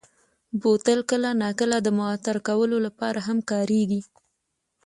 بوتل کله ناکله د معطر کولو لپاره هم کارېږي.